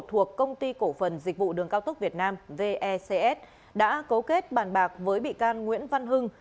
thuộc công ty cổ phần dịch vụ đường cao tốc việt nam vecs đã cấu kết bàn bạc với bị can nguyễn văn hưng